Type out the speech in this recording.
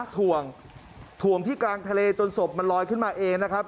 ถ่วงถ่วงที่กลางทะเลจนศพมันลอยขึ้นมาเองนะครับ